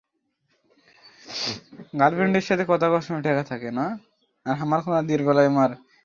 মনে হয় ওনাকে নেশা কমাতে আমাকে এখানেই ছেড়ে যেতে হবে।